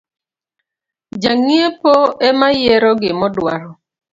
Jang’iepo emayiero gimodwaro